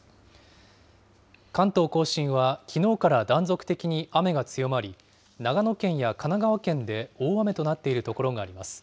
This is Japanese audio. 関東甲信はきのうから断続的に雨が強まり、長野県や神奈川県で大雨となっている所があります。